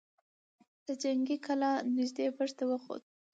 د جنګي کلا نږدې برج ته وخوت.